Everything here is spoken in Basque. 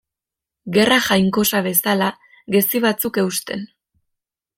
Gerra jainkosa bezala, gezi batzuk eusten.